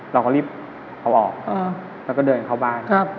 เราก็รีบเอาออกแล้วก็เดินเข้าบ้าน